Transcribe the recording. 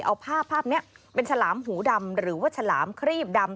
เอาภาพภาพนี้เป็นฉลามหูดำหรือว่าฉลามครีบดำ